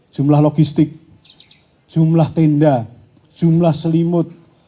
jumlah logistik jumlah tenda jumlah selimut